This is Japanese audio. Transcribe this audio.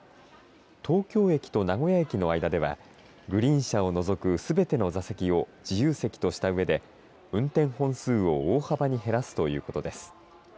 東京駅と名古屋駅の間ではグリーン車を除くすべての座席を自由席としたうえで運転本数を大幅に減らすということです。